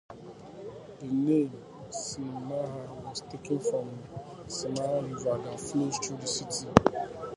The name Cimahi was taken from the Cimahi river that flows through the city.